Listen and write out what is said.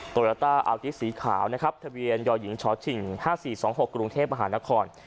โตราต้าอาวุธิสีขาวทะเวียนยหญิงชถิ่ง๕๔๒๖กรุงเทพฯมหานคร